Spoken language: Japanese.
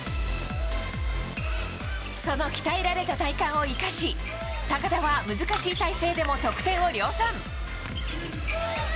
その鍛えられた体幹を生かし高田は難しい体勢でも得点を量産。